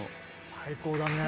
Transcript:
最高だね。